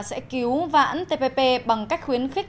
sẽ cứu vãn tpp bằng cách khuyến khích